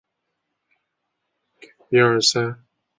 阿马迪纳是巴西巴伊亚州的一个市镇。